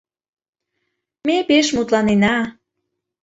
Ме пеш мутланена...